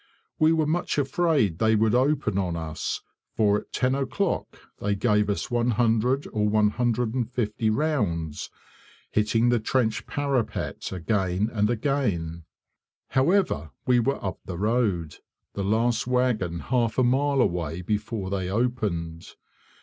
We were much afraid they would open on us, for at 10 o'clock they gave us 100 or 150 rounds, hitting the trench parapet again and again. However, we were up the road, the last wagon half a mile away before they opened.